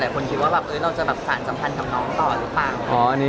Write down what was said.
คนคิดว่าเราจะแบบสารสัมพันธ์กับน้องต่อหรือเปล่า